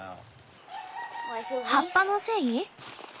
葉っぱのせい？